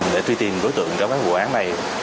để truy tìm đối tượng trong các vụ án này